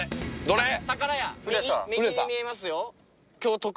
右に見えますよ。